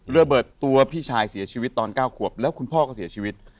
ระเบิดตัวพี่ชายเสียชีวิตตอน๙ขวบแล้วคุณพ่อก็เสียชีวิต